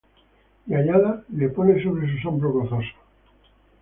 Y hallada, la pone sobre sus hombros gozoso;